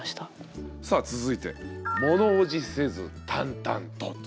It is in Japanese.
さあ続いて「ものおじせず淡々と」。